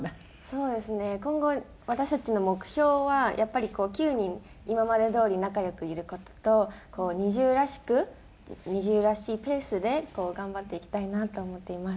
そうですね今後私たちの目標はやっぱり９人今までどおり仲良くいる事とＮｉｚｉＵらしくＮｉｚｉＵらしいペースで頑張っていきたいなと思っています。